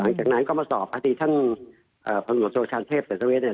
หลังจากนั้นก็มาสอบประติภัณฑ์เอ่อประหลาดโตรกษาธรรมเทศเศรษฐเวชเนี่ย